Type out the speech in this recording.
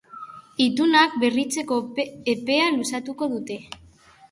Itunak berritzeko epea luzatuko dute.